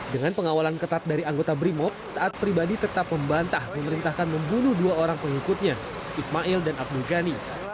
dengan pengawalan ketat dari anggota brimop taat pribadi tetap membantah memerintahkan membunuh dua orang pengikutnya ismail dan abdul ghani